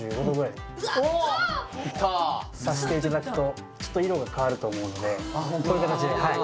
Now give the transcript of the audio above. いったー刺していただくとちょっと色が変わると思うのでもうこういう形ではい